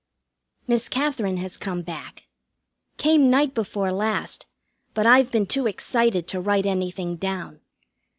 Miss Katherine has come back. Came night before last, but I've been too excited to write anything down.